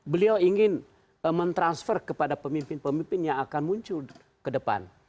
beliau ingin mentransfer kepada pemimpin pemimpin yang akan muncul ke depan